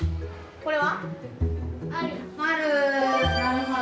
これは？